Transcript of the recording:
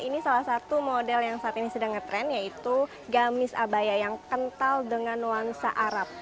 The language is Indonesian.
ini salah satu model yang saat ini sedang ngetrend yaitu gamis abaya yang kental dengan nuansa arab